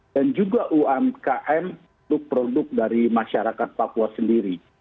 dan juga umkm untuk produk dari masyarakat papua sendiri